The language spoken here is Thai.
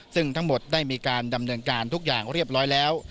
ซึ่งทั้งหมดได้มีการดำเนินการทุกอย่างเรียบร้อยแล้ว